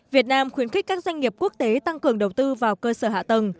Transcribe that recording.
việt nam khuyến khích các doanh nghiệp quốc tế tăng cường đầu tư vào cơ sở hạ tầng